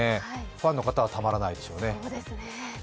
ファンの方はたまらないでしょうね。